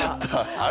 あれ？